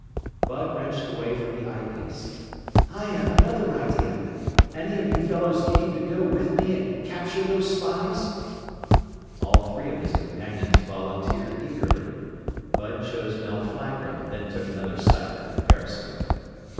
Bud wrenched away from the eyepiece. "I have another idea! Any of you fellows game to go with me and capture those spies?" All three of his companions volunteered eagerly. Bud chose Mel Flagler, then took another sight through the periscope.